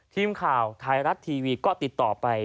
ทีมข่าวไทยรัฐทีวีก็ติดต่อไป